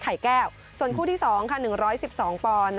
ช่วยเทพธรรมไทยรัช